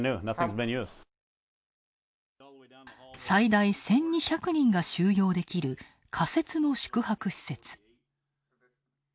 最大１２００人が収容できる仮設の宿泊施設。